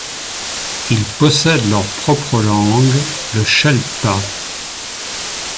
Ils possèdent leur propre langue, le shelta.